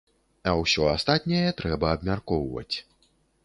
А ўсё астатняе трэба абмяркоўваць.